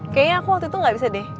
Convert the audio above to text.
kayaknya aku waktu itu gak bisa deh